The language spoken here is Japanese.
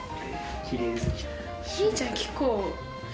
お兄ちゃん結構。